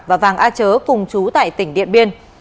và giàng a trớ cùng trú tại tỉnh điện biên